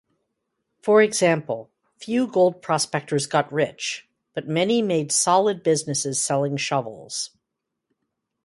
For example, few gold prospectors got rich, but many made solid businesses selling shovels.